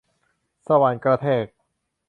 สว่านกระแทก